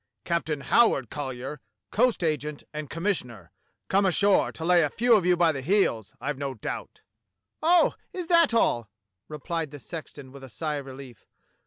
Captain Howard Colly er, coast agent and commissioner; come ashore to lay a few of ycu by the heels, I've no doubt." "Oh! is that all?" replied the sexton with a sigh of relief.